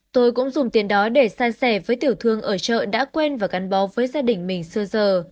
tôi cũng dùng tiền đó để san sẻ với tiểu thương ở chợ đã quen và gắn bó với gia đình mình sơ giờ